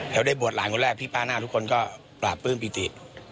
แล้วได้บวชหลานคนแรกพี่ป้าหน้าทุกคนก็ปราบปลื้มปิติ